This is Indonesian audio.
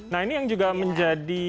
nah ini yang juga menjadi